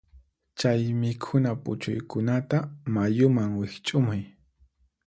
Chay mikhuna puchuykunata mayuman wiqch'umuy.